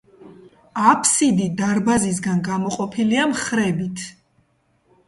აფსიდი დარბაზისგან გამოყოფილია მხრებით.